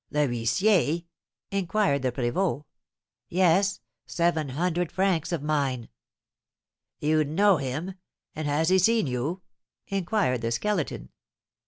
"The huissier?" inquired the prévôt. "Yes, seven hundred francs of mine." "You know him? And has he seen you?" inquired the Skeleton.